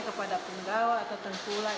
kepada penggawa atau tempulang